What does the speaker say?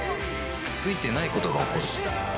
ついてないことが起こる